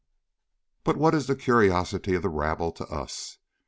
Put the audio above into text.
But what is the curiosity of the rabble to us?